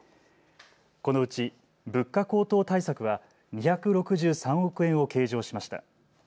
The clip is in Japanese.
このうち物価高騰対策は２６３億円を計上しました。